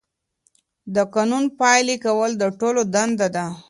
د قانون پلي کول د ټولو دنده ده.